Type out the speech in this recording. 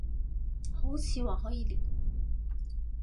好似話可以練